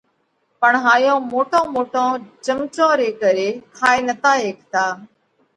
پڻ هائيون موٽون موٽون چمچون ري ڪري کائي نتا هيڪتا۔